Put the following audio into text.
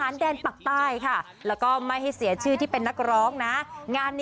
รันดำ